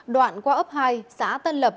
đoạn qua ấp hai xã tân lập